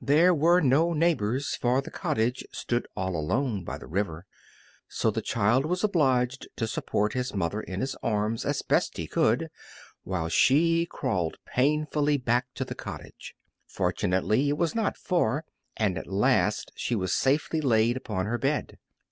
There were no neighbors, for the cottage stood all alone by the river, so the child was obliged to support his mother in his arms as best he could while she crawled painfully back to the cottage. Fortunately, it was not far, and at last she was safely laid upon her bed.